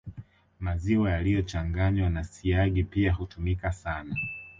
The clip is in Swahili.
Maziwa yaliyochanganywa na siagi pia hutumika sana